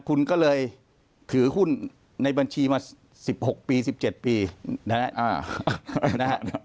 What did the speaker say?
คุณก็เลยถือหุ้นในบัญชีมา๑๖ปี๑๗ปีนะครับ